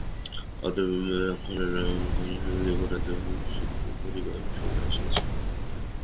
অতএব এক্ষণে রামকে যৌবরাজ্যে অভিষিক্ত করিবার সময় আসিয়াছে।